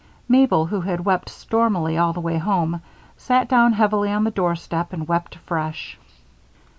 Mabel, who had wept stormily all the way home, sat down heavily on the doorstep and wept afresh.